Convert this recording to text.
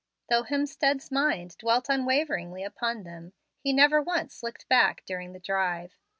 Though Hemstead's mind dwelt unwaveringly upon them, he never once looked back during the drive.